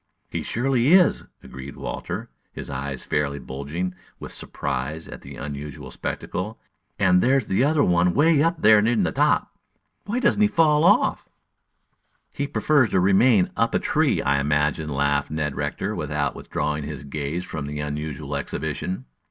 "He surely is," agreed Walter, his eyes fairly bulging with surprise at the unusual spectacle. "And there's the other one away up in the top there. Why doesn't he fall off?" "He prefers to remain up a tree, I imagine," laughed Ned Rector, without withdrawing his gaze from the unusual exhibition.